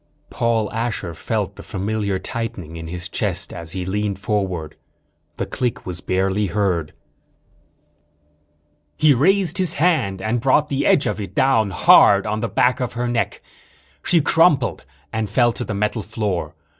Paul Asher felt the familiar tightening in his chest as he leaned forward. The click was barely heard. He raised his hand and brought the edge of it down hard on the back of her neck. She crumpled and fell to the metal floor.